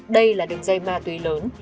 đây là đường dây ma túy lớn